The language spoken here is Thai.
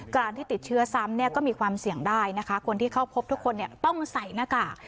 การที่ติดเชื้อซ้ำเนี่ยก็มีความเสี่ยงได้นะคะคนที่เข้าพบทุกคนต้องใส่หน้ากาก